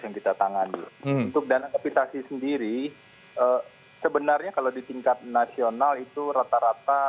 untuk dana kapitasi sendiri sebenarnya kalau di tingkat nasional itu rata rata